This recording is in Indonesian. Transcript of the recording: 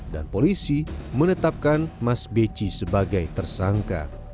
dan polisi menetapkan mas beci sebagai tersangka